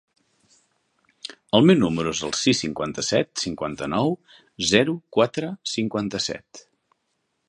El meu número es el sis, cinquanta-set, cinquanta-nou, zero, quatre, cinquanta-set.